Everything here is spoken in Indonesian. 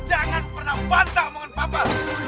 jangan pernah bantah omongin papa